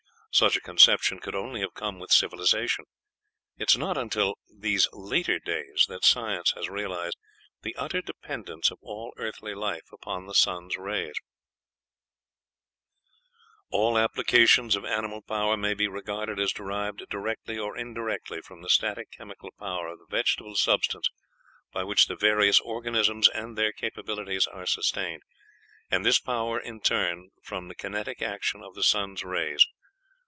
Such a conception could only have come with civilization. It is not until these later days that science has realized the utter dependence of all earthly life upon the sun's rays: "All applications of animal power may be regarded as derived directly or indirectly from the static chemical power of the vegetable substance by which the various organisms and their capabilities are sustained; and this power, in turn, from the kinetic action of the sun's rays.